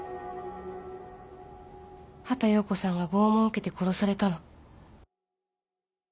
畑葉子さんが拷問を受けて殺されたの